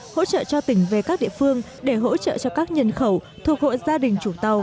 hỗ trợ cho tỉnh về các địa phương để hỗ trợ cho các nhân khẩu thuộc hộ gia đình chủ tàu